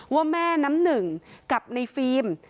ว่าแม่น้ำหนึ่งกับในฟิล์ม